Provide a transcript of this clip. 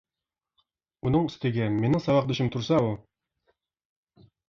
ئۇنىڭ ئۈستىگە مېنىڭ ساۋاقدىشىم تۇرسا ئۇ.